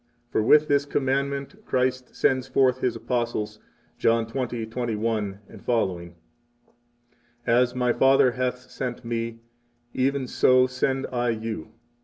6 For with this commandment Christ sends forth His Apostles, John 20:21 sqq.: As My Father hath sent Me, even so send I you.